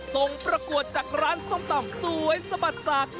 ประกวดจากร้านส้มตำสวยสะบัดสาก